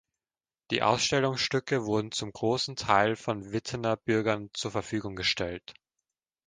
Die Ausstellungsstücke wurden zum großen Teil von Wittener Bürgern zur Verfügung gestellt.